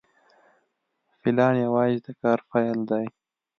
پلان یوازې د کار پیل دی.